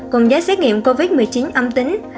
cùng giấy xét nghiệm covid một mươi chín âm tính